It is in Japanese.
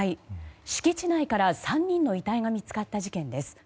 敷地内から、３人の遺体が見つかった事件です。